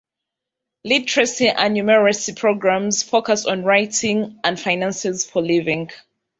Literacy and Numeracy programs focus on writing and finances for living.